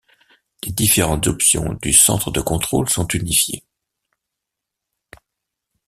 Les différentes options du Centre de contrôle sont unifiées.